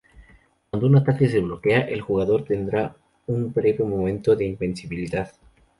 Cuando un ataque se bloquea, el jugador tendrá un breve momento de invencibilidad.